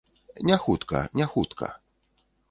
Не хутка, не хутка.